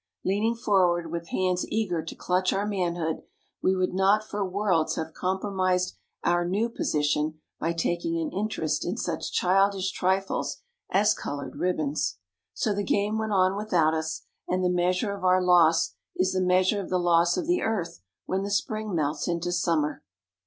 Leaning for ward with hands eager to clutch our manhood, we would not for worlds have compromised our new position by taking an interest in such childish trifles as coloured ribbons. So the game went on without us, and the measure of our loss is the measure of the loss of the earth when the spring melts into summer.